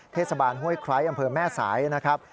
เทศบาลห้วยไคร้อำเภอแม่สายนะครับ